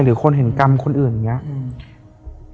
คนเห็นกรรมคนอื่นอย่างนี้